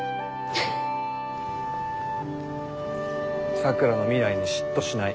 「咲良の未来に嫉妬しない」